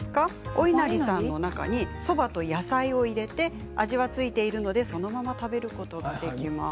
おいなりさんの中にそばと野菜を入れて味が付いているのでそのまま食べることができます。